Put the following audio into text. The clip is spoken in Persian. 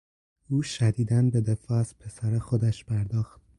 او شدیدا به دفاع از پسر خودش پرداخت.